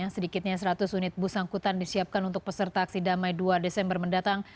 sedikitnya seratus unit bus angkutan disiapkan untuk peserta aksi damai dua desember mendatang